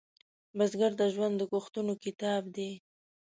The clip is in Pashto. بزګر ته ژوند د کښتونو کتاب دی